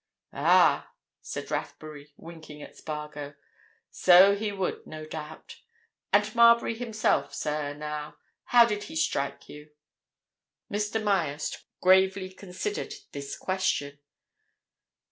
"Ah!" said Rathbury, winking at Spargo. "So he would, no doubt. And Marbury himself, sir, now? How did he strike you?" Mr. Myerst gravely considered this question.